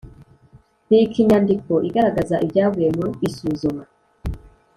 bika inyandiko igaragaza ibyavuye mu isuzuma